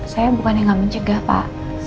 saya bukan yang gak mencegah pak